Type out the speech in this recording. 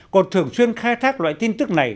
còn thường xuyên khai thác loại tin tức này